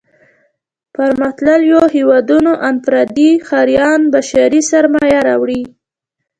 پرمختلليو هېوادونو انفرادي ښاريان بشري سرمايه راوړي.